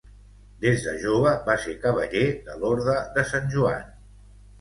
Des de jove va ser Cavaller de l'Orde de Sant Joan.